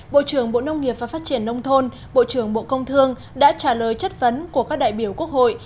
bộ trưởng bộ nông nghiệp và phát triển nông thôn bộ trưởng bộ công thương đã trả lời chất vấn của các đại biểu quốc hội